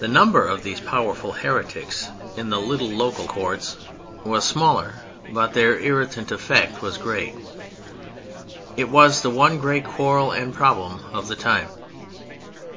The number of these powerful heretics in the little local courts was small, but their irritant effect was great. It was the one great quarrel and problem of the time.